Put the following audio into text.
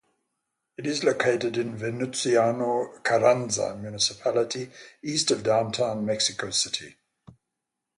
It is located in Venustiano Carranza municipality east of downtown Mexico City.